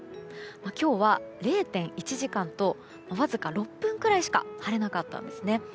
今日は０．１時間とわずか６分ぐらいしか晴れなかったんですね。